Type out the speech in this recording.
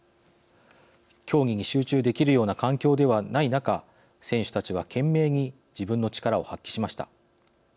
競技に集中できるような環境ではない中選手たちは懸命に自分の力を発揮しました。